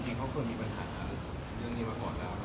จริงเขาควรมีปัญหาหรือเรื่องนี้มันบอกแล้ว